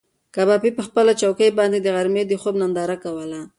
کبابي په خپله چوکۍ باندې د غرمې د خوب ننداره کوله.